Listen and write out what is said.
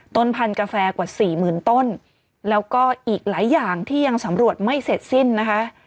ต้นพันธุ์กาแฟกว่าสี่หมื่นต้นแล้วก็อีกหลายอย่างที่ยังสำรวจไม่เสร็จสิ้นนะคะ